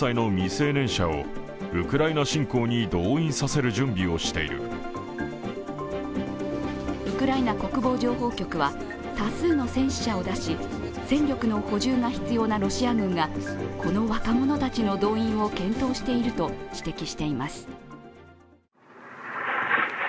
そこにはウクライナ国防情報局は多数の戦死者を出し戦力の補充が必要なロシア軍がこの若者たちの動員を検討していると指摘しています。